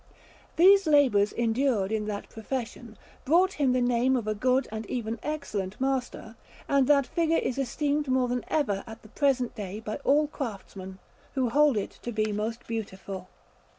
These labours endured in that profession, brought him the name of a good and even excellent master; and that figure is esteemed more than ever at the present day by all craftsmen, who hold it to be most beautiful.